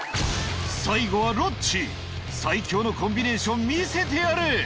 最後はロッチ最強のコンビネーション見せてやれ！